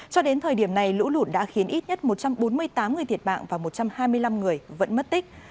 cho đến thời điểm này lũ lụt đã khiến ít nhất một trăm bốn mươi tám người thiệt mạng và một trăm hai mươi năm người vẫn mất tích